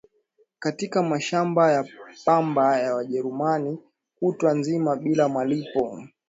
katika mashamba ya pamba ya Wajerumani kutwa nzima bila malipo